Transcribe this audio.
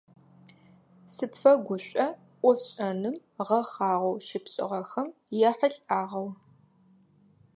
Сыпфэгушӏо ӏофшӏэным гъэхъагъэу щыпшӏыгъэхэм яхьылӏагъэу.